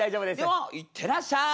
では行ってらっしゃい！